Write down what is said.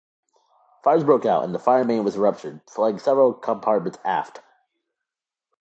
Fires broke out, and the fire main was ruptured, flooding several compartments aft.